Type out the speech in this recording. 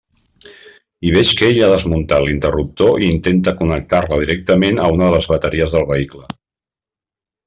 I veig que ell ja ha desmuntat l'interruptor i intenta connectar-la directament a una de les bateries del vehicle.